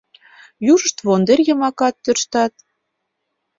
Южышт вондер йымакат тӧрштат...